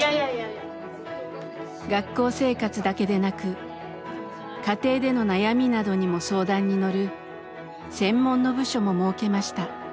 学校生活だけでなく家庭での悩みなどにも相談に乗る専門の部署も設けました。